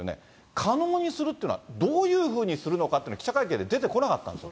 可能にするというのはどういうふうにするのかっていうのは、記者会見で出てこなかったんですよ。